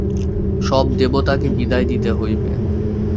সব দেবতাকে বিদায় দিতে হইবে।